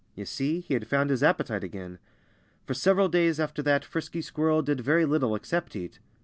You see, he had found his appetite again. For several days after that Frisky Squirrel did very little except eat.